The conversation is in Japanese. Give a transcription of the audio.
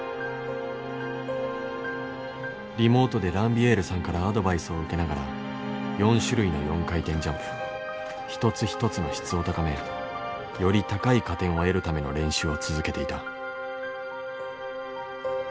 リモートでランビエールさんからアドバイスを受けながら４種類の４回転ジャンプ一つ一つの質を高めより高い加点を得るための練習を続けていた。